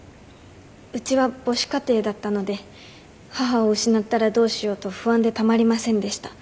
うちは母子家庭だったので母を失ったらどうしようと不安でたまりませんでした。